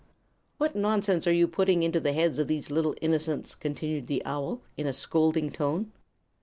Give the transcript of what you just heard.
"What nonsense are you putting into the heads of these little innocents?" continued the owl, in a scolding tone.